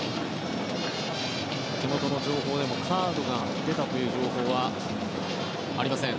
手元の情報でもカードが出たという情報はありません。